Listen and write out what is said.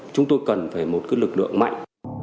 chúng tôi cần phải một cái lực lượng mạnh